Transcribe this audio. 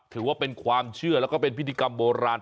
ถือว่าเป็นความเชื่อแล้วก็เป็นพิธีกรรมโบราณ